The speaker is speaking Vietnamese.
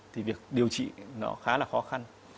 thì việc điều trị nó khá là khó khăn